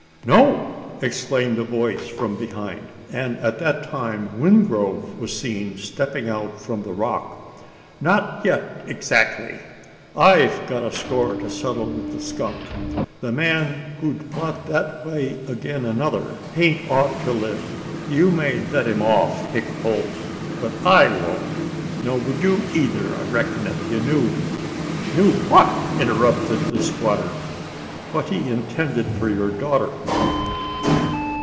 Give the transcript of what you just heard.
"No!" exclaimed a voice from behind, and at the same time Wingrove was seen stepping out from the rock. "Not yet adzactly. I've got a score to settle wi' the skunk. The man who'd plot that way agin another, hain't ought to live. You may let him off, Hick Holt, but I won't; nor wud you eyther, I reck'n, if you knew " "Knew what!" interrupted the squatter. "What he intended for your daughter."